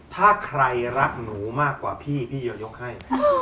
ถ้าใครรักหนูมากกว่าพี่พี่จะยกให้